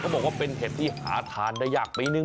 บอกว่าเป็นเห็ดที่หาทานได้ยากปีนึง